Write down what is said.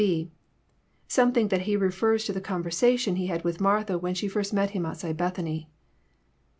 (&) Some think that He refers to the conversation He had with Martha when she first met Him outside Bethany.